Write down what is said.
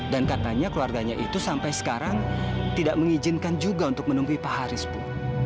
dan katanya keluarganya itu sampai sekarang tidak mengizinkan juga untuk menunggu pak haris bu